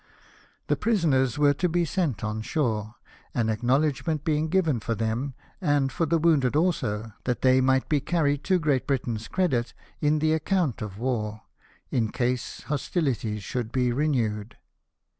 The prisoners were to be sent on shore, an acknowledgment being given for them, and for the wounded also, that they might be carried to Great Britain's credit in the account of war, in case hostilities should be renewed.